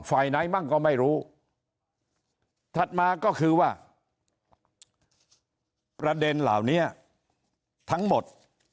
ฝ่ายไหนมั่งก็ไม่รู้ถัดมาก็คือว่าประเด็นเหล่านี้ทั้งหมด